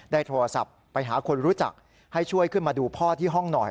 โทรศัพท์ไปหาคนรู้จักให้ช่วยขึ้นมาดูพ่อที่ห้องหน่อย